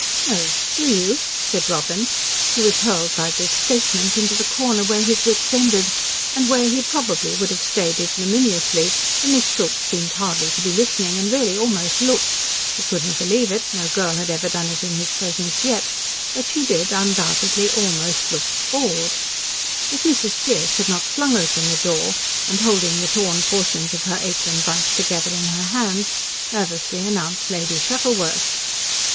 "No! Do you?" said Robin, who was hurled by this statement into the corner where his wits ended and where he probably would have stayed ignominiously, for Miss Schultz seemed hardly to be listening and really almost looked he couldn't believe it, no girl had ever done it in his presence yet, but she did undoubtedly almost look bored, if Mrs. Pearce had not flung open the door, and holding the torn portions of her apron bunched together in her hands, nervously announced Lady Shuttleworth.